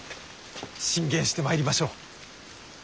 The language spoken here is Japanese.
進言してまいりましょう！